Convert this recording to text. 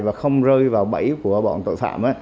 và không rơi vào bẫy của bọn tội phạm